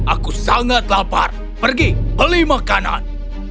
aku sangat lapar pergi beli makanan